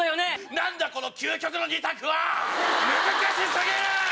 何だこの究極の２択は⁉難し過ぎる！